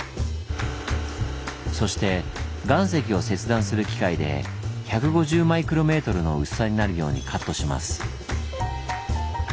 そして岩石を切断する機械で１５０μｍの薄さになるようにカットします。